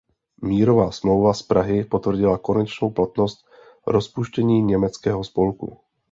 Mírová smlouva z Prahy potvrdila konečnou platnost rozpuštění Německého spolku.